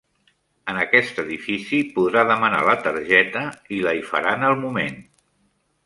En aquest edifici podrà demanar la targeta i la hi faran al moment.